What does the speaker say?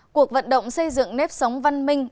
cuộc vận động xây dựng nếp sống văn minh